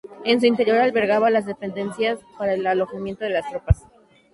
En su interior albergaba las dependencias para el alojamiento de las tropas.